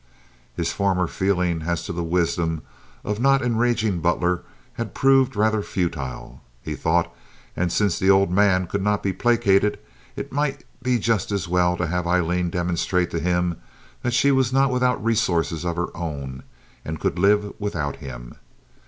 His former feeling as to the wisdom of not enraging Butler had proved rather futile, he thought, and since the old man could not be placated it might be just as well to have Aileen demonstrate to him that she was not without resources of her own and could live without him.